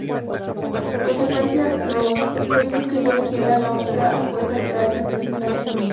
Consecuentemente los estoicos creían que era la única fuerza vital presente en el universo.